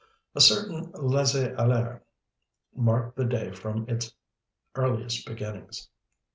A certain laissez aller marked the day from its earliest beginnings.